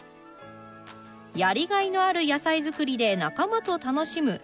やりがいのある野菜作りで仲間と楽しむセカンドライフ。